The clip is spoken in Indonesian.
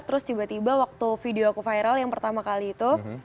terus tiba tiba waktu video aku viral yang pertama kali itu